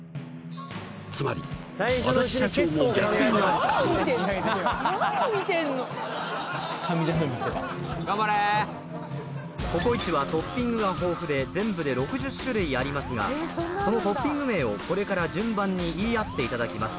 つまり安達社長のココイチはトッピングが豊富で全部で６０種類ありますがそのトッピング名をこれから順番に言い合っていただきます